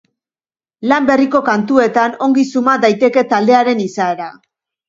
Lan berriko kantuetan ongi suma daiteke taldearen izaera.